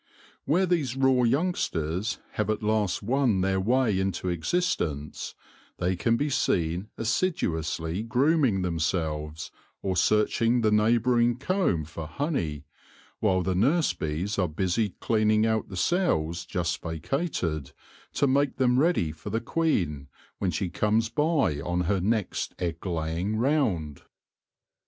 Where these raw youngsters have at last won their way into existence, they can be seen assiduously grooming themselves, or searching the neighbouring comb for honey, while the nurse bees are busy cleaning out the cells, just vacated, to make them ready for the queen when she comes by on her next egg laying round.